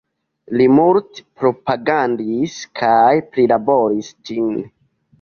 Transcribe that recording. Li multe propagandis kaj prilaboris ĝin.